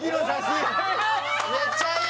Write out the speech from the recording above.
めっちゃいい！